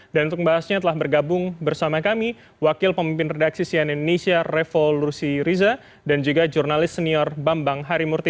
dan untuk bahasnya telah bergabung bersama kami wakil pemimpin redaksi sian indonesia revolusi riza dan juga jurnalis senior bambang harimurti